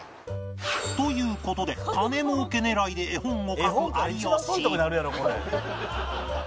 という事で金儲け狙いで絵本を描く有吉